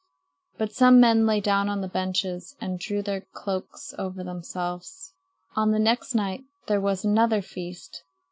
But some men lay down on the benches and drew their cloaks over themselves. On the next night there was another feast.